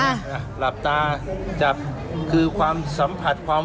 คุณต้องไปคุยกับทางเจ้าหน้าที่เขาหน่อย